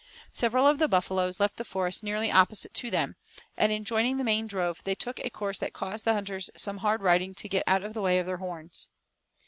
Several of the buffaloes left the forest nearly opposite to them, and in joining the main drove they took a course that caused the hunters some hard riding to get out of the way of their horns.